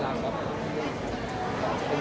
อืมทั้งหมด